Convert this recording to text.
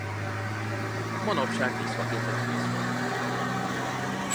Manapság díszfaként az egész Földön elterjedt.